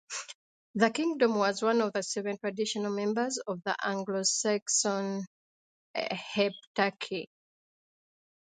The kingdom was one of the seven traditional members of the Anglo-Saxon Heptarchy.